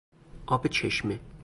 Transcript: آب چشمه